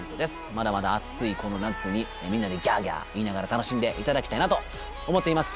まだまだ暑いこの夏にみんなでギャーギャー言いながら楽しんでいただきたいなと思っています